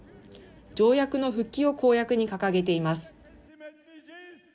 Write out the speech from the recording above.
条約の復帰を公約に掲げています。